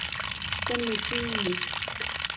Ten musí jít.